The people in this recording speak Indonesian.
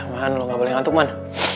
man lo gak boleh ngantuk man